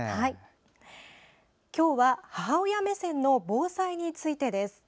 今日は母親目線の防災についてです。